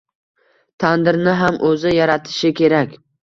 “tandir”ni ham o’zi yaratishi kerak.